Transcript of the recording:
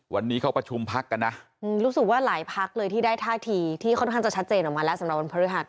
วันนี้เขาประชุมพักกันนะรู้สึกว่าหลายพักเลยที่ได้ท่าทีที่ค่อนข้างจะชัดเจนออกมาแล้วสำหรับวันพฤหัส